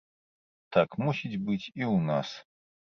Так мусіць быць і у нас!